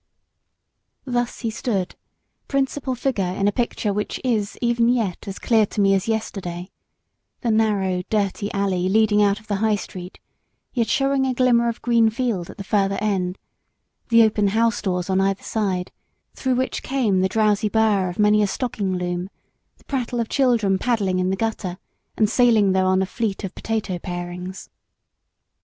Thus he stood, principal figure in a picture which is even yet as clear to me as yesterday the narrow, dirty alley leading out of the High Street, yet showing a glimmer of green field at the further end; the open house doors on either side, through which came the drowsy burr of many a stocking loom, the prattle of children paddling in the gutter, and sailing thereon a fleet of potato parings.